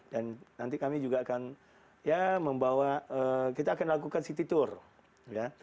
dan nanti kami juga akan ya membawa kita akan lakukan city tour ya